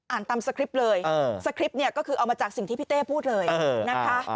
ตามสคริปต์เลยสคริปต์เนี่ยก็คือเอามาจากสิ่งที่พี่เต้พูดเลยนะคะ